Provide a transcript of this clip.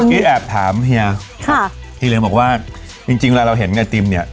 เมื่อกี้แอบถามเฮียค่ะเฮียเหลียงบอกว่าจริงจริงเวลาเราเห็นไอศครีมเนี้ย